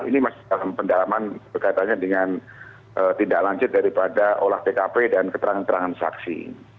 ini masih dalam pendalaman berkaitannya dengan tindak lanjut daripada olah tkp dan keterangan keterangan saksi